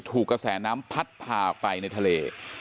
ถูกกระแสน้ำพัดพากันไปในทะเล